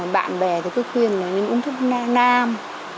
bạn bè thì cứ khuyên là nên uống thức nam